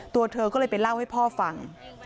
ตัวเธอก็เลยไปเล่าให้พ่อฟัง